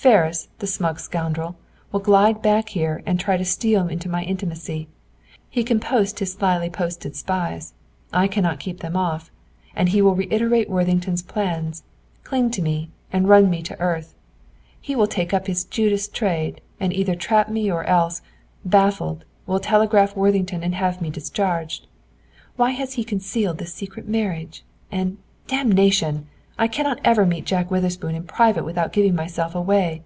Ferris, the smug scoundrel, will glide back here and try to steal into my intimacy. He can post his slyly posted spies. I cannot then keep him off. And he will reiterate Worthington's plans, cling to me, and run me to earth. He will take up his Judas trade, and either trap me or else, baffled, will telegraph Worthington and have me discharged. Why has he concealed this secret marriage? And, damnation! I cannot ever meet Jack Witherspoon in private without giving myself away.